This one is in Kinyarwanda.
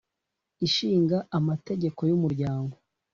Ishinga Amategeko y Umuryango